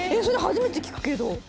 そんな初めて聞くけど。